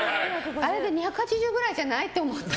あれで２８０ぐらいじゃない？って思ってた。